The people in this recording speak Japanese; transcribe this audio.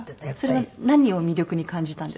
それは何を魅力に感じたんですか？